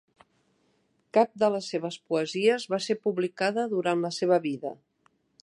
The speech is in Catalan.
Cap de les seves poesies va ser publicada durant la seva vida.